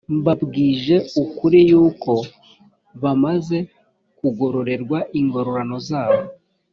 mbabwije ukuri yuko bamaze kugororerwa ingororano zabo